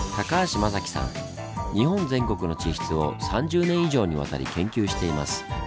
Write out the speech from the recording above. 日本全国の地質を３０年以上にわたり研究しています。